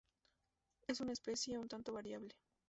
Es una especie un tanto variable.